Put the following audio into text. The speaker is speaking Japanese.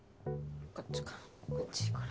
こっちから。